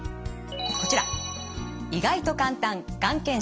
こちら。